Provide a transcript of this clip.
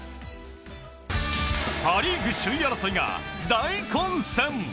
パ・リーグ首位争いが大混戦。